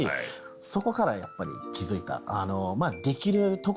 そこからやっぱり気付いた。